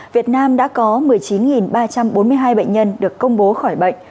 việt nam đã có một mươi chín ba trăm bốn mươi hai bệnh nhân được công bố khỏi bệnh